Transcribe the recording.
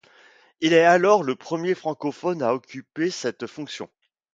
Il est alors le premier francophone à occuper cette fonction.